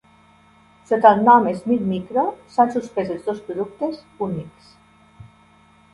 Sota el nom Smith Micro, s'han suspès els dos productes Unix.